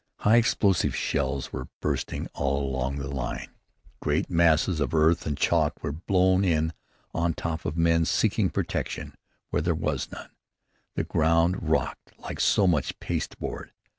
High explosive shells were bursting all along the line. Great masses of earth and chalk were blown in on top of men seeking protection where there was none. The ground rocked like so much pasteboard.